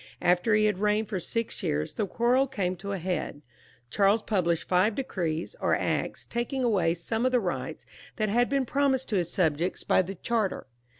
After he had reigned for six years the quarrel came to a point. Charles published five decrees or acts, taking away some of the rights that had been promised to his subjects by the charter.